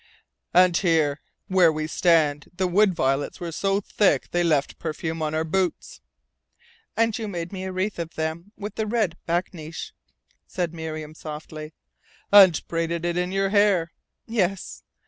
"And here where we stand the wood violets were so thick they left perfume on our boots." "And you made me a wreath of them with the red bakneesh," said Miriam softly. "And braided it in your hair." "Yes."